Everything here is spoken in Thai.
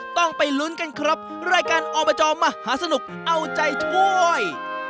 ต้องไปลุ้นกันครับรายการอบจมหาสนุกเอาใจช่วย